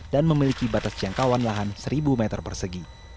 dan memiliki batas jangkauan lahan seribu meter persegi